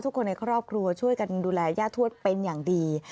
คนในครอบครัวช่วยกันดูแลย่าทวดเป็นอย่างดี